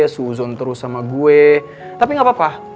suuzon terus sama gue tapi gak apa apa